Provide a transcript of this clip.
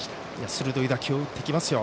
鋭い打球を打ってきますよ。